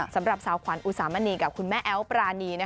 สำหรับสาวขวัญอุสามณีกับคุณแม่แอ๊วปรานี